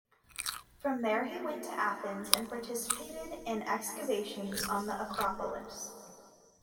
From there he went to Athens and participated in excavations on the Acropolis.